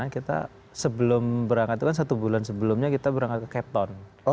karena kita sebelum berangkat itu kan satu bulan sebelumnya kita berangkat ke keton